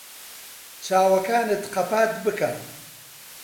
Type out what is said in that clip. چاوەکانت قەپات بکە.